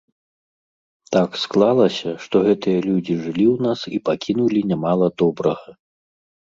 Так склалася, што гэтыя людзі жылі ў нас і пакінулі нямала добрага.